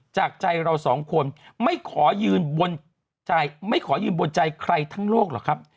จากใจเราสองคนไม่ขอยืนบนใจไม่ขอยืนบนใจใครทั้งโลกหรอกครับ